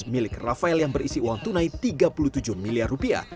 milik rafael yang berisi uang tunai rp tiga puluh tujuh miliar rupiah